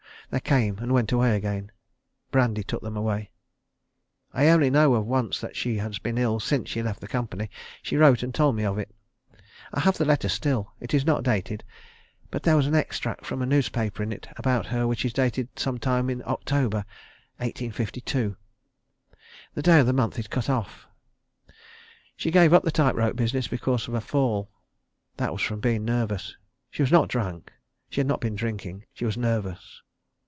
They came and went away again. Brandy took them away. I only know of once that she has been ill since she left the company. She wrote and told me of it. I have the letter still. It is not dated, but there was an extract from a newspaper in it about her which is dated some time in October, 1852. The day of the month is cut off. She gave up the tight rope business because of a fall. That was from being nervous. She was not drunk. She had not been drinking. She was nervous.